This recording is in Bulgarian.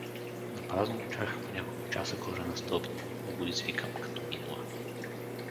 Напразно го чаках по няколко часа горе на стълбите, да го извикам, като минува.